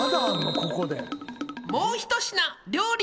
ここで。